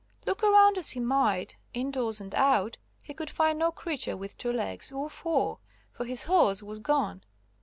Look around as he might, indoors and out, he could find no creature with two legs or four, for his horse was gone.